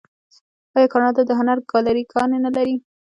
آیا کاناډا د هنر ګالري ګانې نلري؟